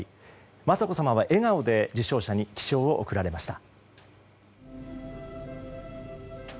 雅子さまは笑顔で受章者に記章を贈られました。